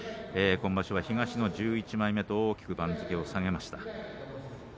今場所は東の１１枚目と大きく番付を下げました。